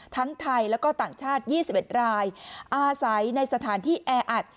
ทั้งไทยแล้วก็ต่างชาติ๒๑รายอาศัยในสถานที่แออัด